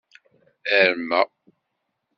Arma.